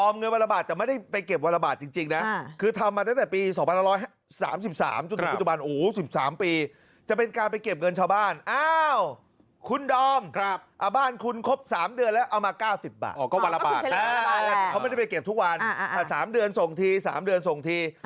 เขาไม่ได้ไปเก็บทุกวันแต่สามเดือนส่งที